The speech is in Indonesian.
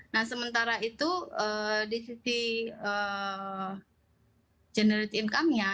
nah sementara itu di sisi generate income nya